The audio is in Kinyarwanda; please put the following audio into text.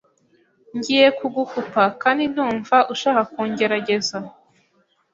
Ngiye kugukupa kandi ndumva ushaka kungerageza